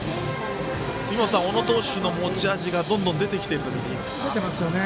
小野投手の持ち味がどんどん出てきていると出てますね。